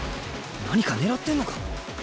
何か狙ってんのか？